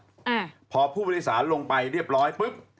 อืมพอผู้โดยสารลงไปเรียบร้อยปึ๊บ